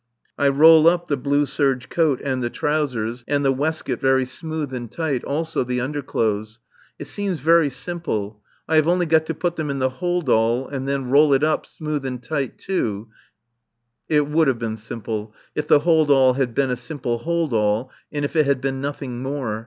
I roll up the blue serge coat, and the trousers, and the waistcoat very smooth and tight, also the underclothes. It seems very simple. I have only got to put them in the hold all and then roll it up, smooth and tight, too It would have been simple, if the hold all had been a simple hold all and if it had been nothing more.